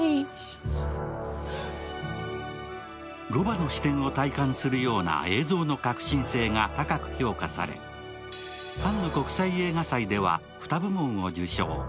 ロバの視点を体感するような映像の革新性が高く評価されカンヌ国際映画祭では２部門を受賞